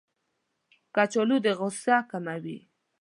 کچالو د غوسه کموي